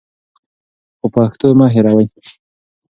خو پښتو مه هېروئ.